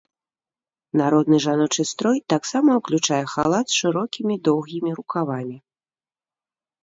Народны жаночы строй таксама уключае халат з шырокімі доўгімі рукавамі.